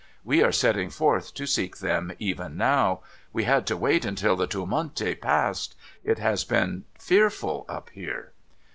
We are setting forth to seek them even now. We had to wait until the Toiirmente passed. It has been fearful up here.'